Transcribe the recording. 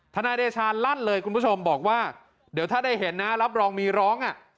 นายเดชาลั่นเลยคุณผู้ชมบอกว่าเดี๋ยวถ้าได้เห็นนะรับรองมีร้อง